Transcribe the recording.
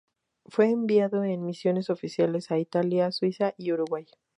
Fue enviado en misiones oficiales a Italia, Suiza y Uruguay.